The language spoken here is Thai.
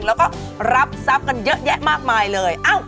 แล้วก็รับทรัพย์กันเยอะแยะมากมายเลย